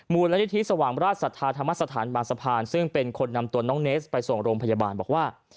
มูลนิธิสว่างราชศรัทธาธรรมสถานบางสะพานซึ่งเป็นคนนำตัวน้องเนสไปส่งโรงพยาบาลบอกว่า